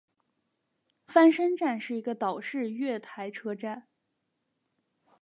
翻身站是一个岛式月台车站。